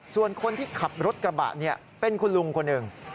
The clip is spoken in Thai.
ส่วนคนที่ขับรถกระบะเป็นคุณลุงคนหนึ่ง